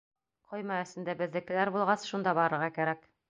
— Ҡойма эсендә беҙҙекеләр булғас, шунда барырға кәрәк!